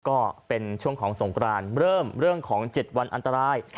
ก็เป็นช่วงของสงกรานเริ่มเรื่องของ๗วันอันตราย